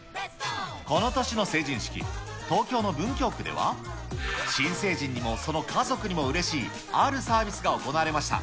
この年の成人式、東京の文京区では、新成人にも、その家族にもうれしいあるサービスが行われました。